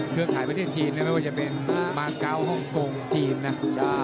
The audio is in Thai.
เรื่องของประเทศจีนไม่ว่าจะเป็นมากาวห้องกงจีนน่ะ